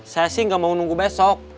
saya sih nggak mau nunggu besok